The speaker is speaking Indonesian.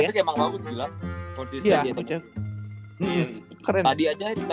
uchafi emang bagus juga